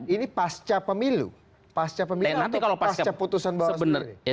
ini pasca pemilu pasca pemilu atau pasca putusan bawaslu